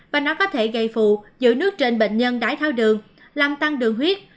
và nó có thể gây phụ giữ nước trên bệnh nhân đái tháo đường làm tăng đường huyết